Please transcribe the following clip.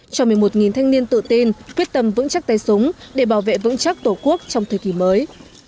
cho một mươi một thanh niên tự tin quyết tâm vững chắc tay súng để bảo vệ vững chắc tổ quốc trong thời kỳ mới